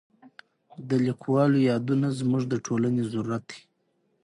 د لیکوالو یادونه زموږ د ټولنې ضرورت دی.